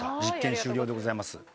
実験終了でございます。